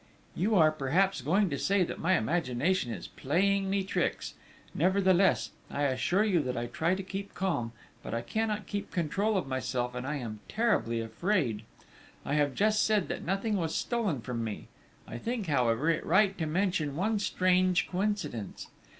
_ _You are perhaps going to say that my imagination is playing me tricks!... Nevertheless, I assure you that I try to keep calm, but I cannot keep control of myself, and I am terribly afraid!_ _I have just said that nothing was stolen from me; I think, however, it right to mention one strange coincidence.